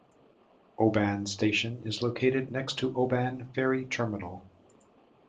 Oban station is located next to Oban ferry terminal.